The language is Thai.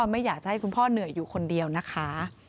ไม่อยากจะให้คุณพ่อเหนื่อยอยู่คนเดียวนะคะ